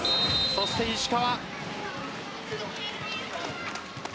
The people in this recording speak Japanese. そして石川。